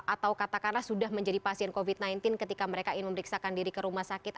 atau katakanlah sudah menjadi pasien covid sembilan belas ketika mereka ingin memeriksakan diri ke rumah sakit